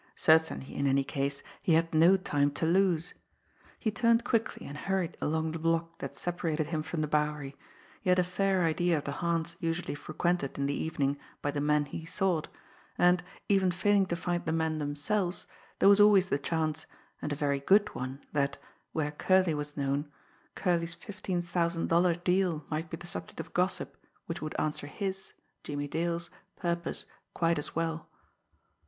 Certainly, in any case, he had no time to lose. He turned quickly and hurried along the block that separated him from the Bowery he had a fair idea of the haunts usually frequented in the evening by the men he sought, and, even failing to find the men themselves, there was always the chance, and a very good one, that, where Curley was known, Curley's fifteen thousand dollar deal might be the subject of gossip which would answer his, Jimmie Dale's, purpose quite as well.